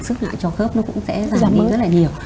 sức lại cho khớp nó cũng sẽ giảm đi rất là nhiều